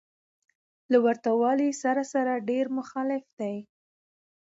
له ورته والي سره سره ډېر مختلف دى.